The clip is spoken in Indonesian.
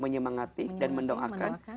menyemangati dan mendoakan